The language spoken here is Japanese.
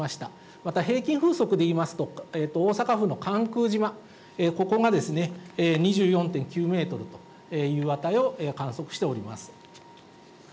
また平均風速でいいますと、大阪府の関空島、ここがですね、２４．９メートルという値を観測しております。